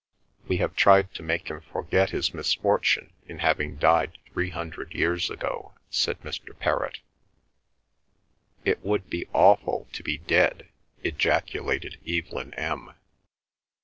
"We have tried to make him forget his misfortune in having died three hundred years ago," said Mr. Perrott. "It would be awful—to be dead!" ejaculated Evelyn M.